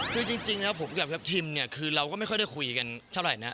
คือจริงแล้วผมกับทัพทิมเนี่ยคือเราก็ไม่ค่อยได้คุยกันเท่าไหร่นะ